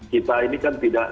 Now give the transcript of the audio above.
kita ini kan tidak